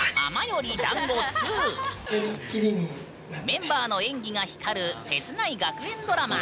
メンバーの演技が光る切ない学園ドラマ。